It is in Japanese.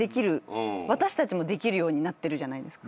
私たちもできるようになってるじゃないですか。